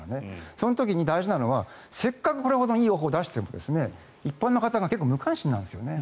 その時に大事なのはせっかくこれほどいい予報を出しているのに一般の方が結構、無関心なんですよね。